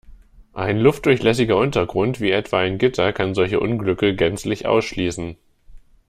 Ein luftdurchlässiger Untergrund, wie etwa ein Gitter, kann solche Unglücke gänzlich ausschließen.